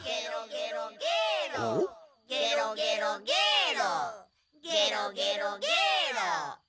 ゲロゲロゲロ。